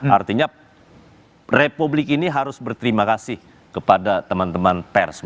artinya republik ini harus berterima kasih kepada teman teman pers